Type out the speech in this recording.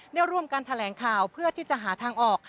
ได้ร่วมกันแถลงข่าวเพื่อที่จะหาทางออก